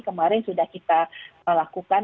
kemarin sudah kita lakukan